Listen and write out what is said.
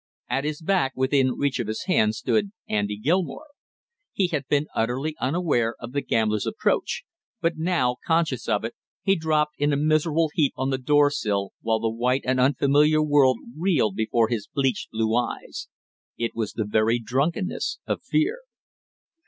At his back within reach of his hand stood Andy Gilmore. He had been utterly unaware of the gambler's approach, but now conscious of it he dropped in a miserable heap on the door sill, while the white and unfamiliar world reeled before his bleached blue eyes; it was the very drunkenness of fear.